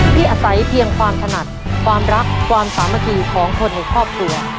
ที่อาศัยเพียงความถนัดความรักความสามัคคีของคนในครอบครัว